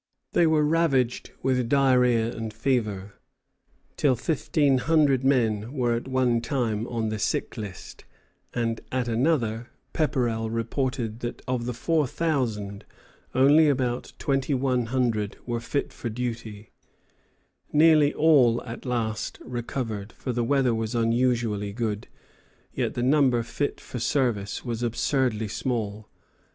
They were ravaged with diarra and fever, till fifteen hundred men were at one time on the sick list, and at another, Pepperrell reported that of the four thousand only about twenty one hundred were fit for duty. [Footnote: Pepperrell to Warren, 28 May, 1745.] Nearly all at last recovered, for the weather was unusually good; yet the number fit for service was absurdly small.